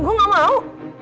gue gak mau